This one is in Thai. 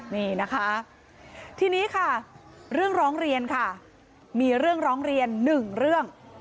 นี่นะคะทีนี้ค่ะเรื่องร้องเรียนค่ะมีเรื่องร้องเรียนหนึ่งเรื่อง